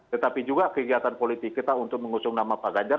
tetapi juga kegiatan politik kita untuk mengusung nama pak ganjar